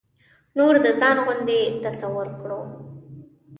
نور د ځان غوندې تصور کړو.